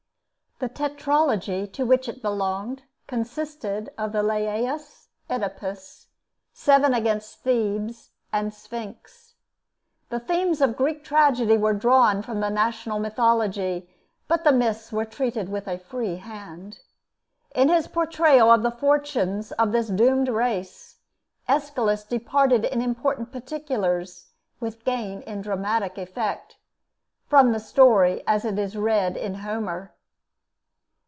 The tetralogy to which it belonged consisted of the 'Laïus,' 'Oedipus,' 'Seven Against Thebes,' and 'Sphinx.' The themes of Greek tragedy were drawn from the national mythology, but the myths were treated with a free hand. In his portrayal of the fortunes of this doomed race, Aeschylus departed in important particulars, with gain in dramatic effect, from the story as it is read in Homer.